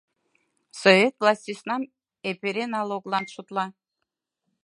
Совет власть сӧснам эпере налоглан шотла.